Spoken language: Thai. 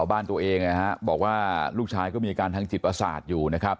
บ้านตัวเองบอกว่าลูกชายก็มีอาการทางจิตประสาทอยู่นะครับ